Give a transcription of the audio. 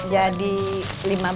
jadi rp lima belas ma